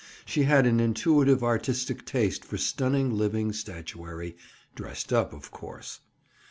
She had an intuitive artistic taste for stunning living statuary, "dressed up," of course.